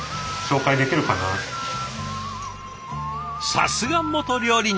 さすが元料理人！